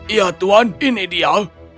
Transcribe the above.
iya tuan ini dia